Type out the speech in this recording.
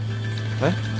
えっ？